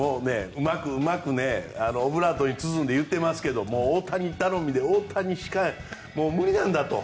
うまくオブラートに包んで言っていますけど大谷頼みで大谷しかもう無理なんだと。